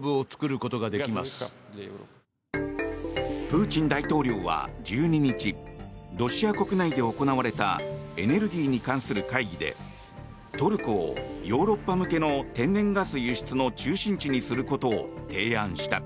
プーチン大統領は１２日ロシア国内で行われたエネルギーに関する会議でトルコをヨーロッパ向けの天然ガス輸出の中心地にすることを提案した。